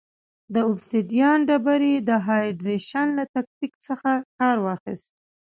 د اوبسیدیان ډبرې د هایدرېشن له تکتیک څخه کار واخیست.